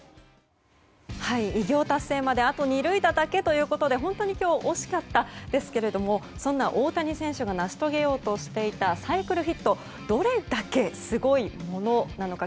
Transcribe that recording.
偉業達成まであと２塁打だけということで本当に今日、惜しかったんですがそんな大谷選手が成し遂げようとしていたサイクルヒットどれだけすごいものなのか。